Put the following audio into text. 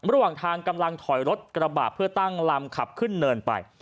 ระหว่างทางกำลังถอยรถกระบาดเพื่อตั้งลำขับขึ้นเนินไป